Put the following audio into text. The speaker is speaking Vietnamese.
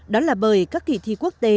đó là bởi các kỳ thi quốc tế